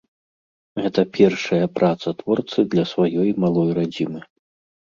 Гэта першая праца творцы для сваёй малой радзімы.